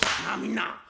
「なあみんな。